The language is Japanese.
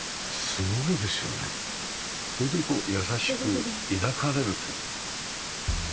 ホントにこう優しく抱かれるというか。